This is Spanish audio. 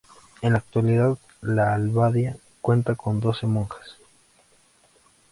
En la actualidad, la abadía cuenta con doce monjas.